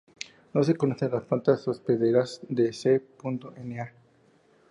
No se conocen las plantas hospederas de "C. na".